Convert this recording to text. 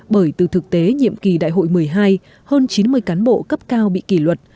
bởi từ thực tế nhiệm kỳ đại hội một mươi hai hơn chín mươi cán bộ cấp cao bị kỷ luật